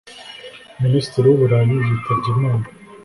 minisitiri wu burayi yitabye imana